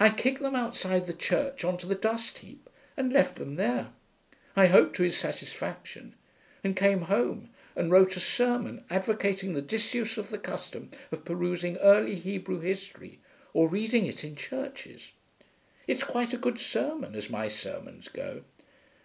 I kicked them outside the Church on to the dust heap and left them there, I hope to his satisfaction, and came home and wrote a sermon advocating the disuse of the custom of perusing early Hebrew history or reading it in churches. It's quite a good sermon, as my sermons go.